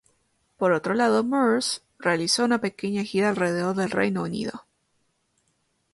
Por otro lado, Murs realizó una pequeña gira alrededor del Reino Unido.